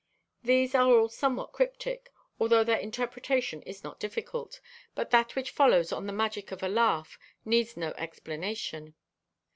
These are all somewhat cryptic, although their interpretation is not difficult, but that which follows on the magic of a laugh needs no explanation.